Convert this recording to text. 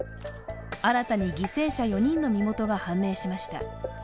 新たに犠牲者４人の身元が判明しました。